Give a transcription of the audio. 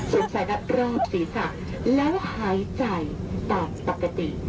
ชุดใสนักรอบสีสักและหายใจต่างปกติ